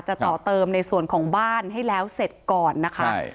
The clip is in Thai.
ต่อเติมในส่วนของบ้านให้แล้วเสร็จก่อนนะคะ